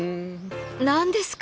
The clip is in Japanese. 何ですか？